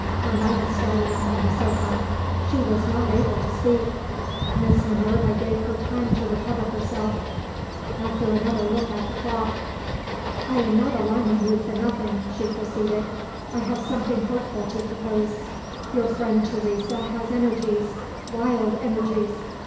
Carmina started up on the sofa. She was not able to speak. Miss Minerva gave her time to recover herself after another look at the clock. "I am not alarming you for nothing," she proceeded; "I have something hopeful to propose. Your friend Teresa has energies wild energies.